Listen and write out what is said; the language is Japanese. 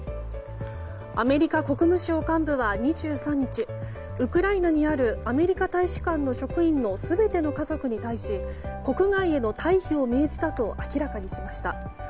アメリカ国務省幹部は２３日ウクライナにあるアメリカ大使館の職員の全ての家族に対し国外への退避を命じたと明らかにしました。